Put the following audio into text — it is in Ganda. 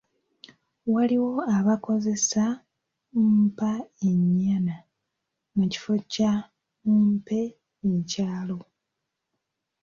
Waliwo abakozesa ,“Mpa ennyana” mu kifo kya “mumpe ekyalo”.